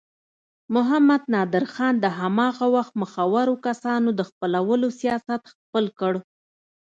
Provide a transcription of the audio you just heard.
محمد نادر خان د هماغه وخت مخورو کسانو د خپلولو سیاست خپل کړ.